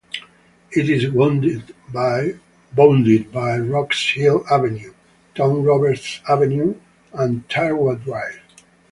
It is bounded by Box Hill Avenue, Tom Roberts Avenue and Tharwa Drive.